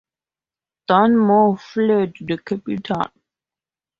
Dunmore fled the capital.